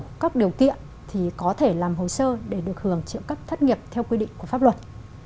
và đáp ứng đủ các điều kiện thì có thể làm hồ sơ để được hưởng trợ cấp thất nghiệp theo quy định của pháp luật